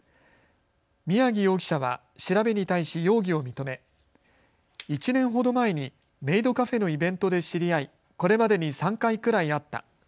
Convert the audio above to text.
宮城容疑者は調べに対し容疑を認め１年ほど前にメイドカフェのイベントで知り合いこれまでに３回くらい会った。